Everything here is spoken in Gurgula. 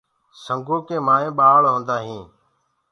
سنگو ڪي مآئينٚ ڀآݪ هوندآ هينٚ۔